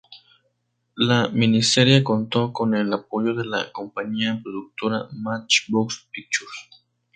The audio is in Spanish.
La miniserie contó con el apoyo de la compañía productora "Matchbox Pictures".